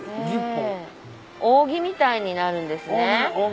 扇みたいになるんですね。